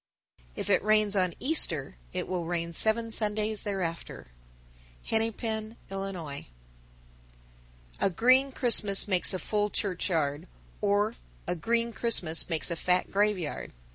_ 953. If it rains on Easter, it will rain seven Sundays thereafter. Hennepin, Ill. 954. A green Christmas makes a full churchyard, or A green Christmas makes a fat graveyard.